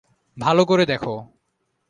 ভালো করে দেখ।